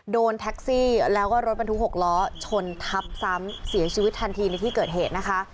โดนแท็กซี่แล้วก็รถบรรทุก๖ล้อชนทับซ้ำเสียชีวิตทันทีในที่เกิดเหตุนะคะ